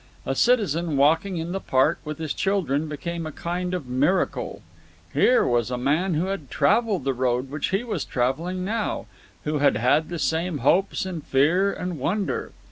A citizen walking in the park with his children became a kind of miracle. Here was a man who had travelled the road which he was travelling now, who had had the same hopes and fear and wonder.